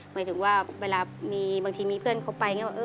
หมายถึงว่าเมื่อมีบางทีมีเพื่อนเขาไป